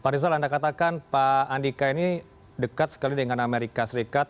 pak rizal anda katakan pak andika ini dekat sekali dengan amerika serikat